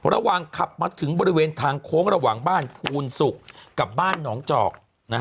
ระหว่างขับมาถึงบริเวณทางโค้งระหว่างบ้านภูนศุกร์กับบ้านหนองจอก